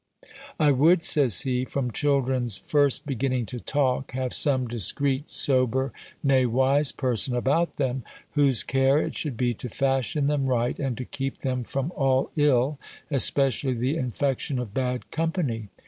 "I would," says he, "from children's first beginning to talk, have some discreet, sober, nay, wise person about them, whose care it should be to fashion them right, and to keep them from all ill; especially the infection of bad company.